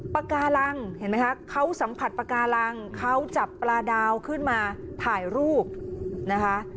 ปากการังเห็นไหมคะเขาสัมผัสปากการังเขาจับปลาดาวขึ้นมาถ่ายรูปนะคะ